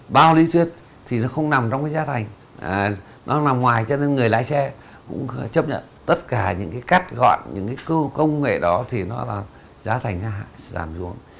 bao lý thuyết thì nó không nằm trong cái giá thành nó nằm ngoài cho nên người lái xe cũng chấp nhận tất cả những cái cắt gọn những cái công nghệ đó thì nó là giá thành giảm xuống